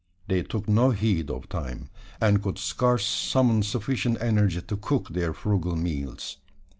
They took no heed of time; and could scarce summon sufficient energy to cook their frugal meals.